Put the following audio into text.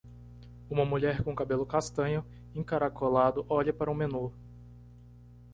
Uma mulher com cabelo castanho encaracolado olha para um menu.